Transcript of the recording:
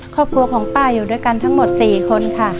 ครอบครัวของป้าอยู่ด้วยกันทั้งหมด๔คนค่ะ